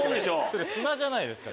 それ砂じゃないですか。